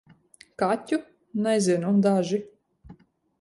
Kaķu? Nezinu - daži.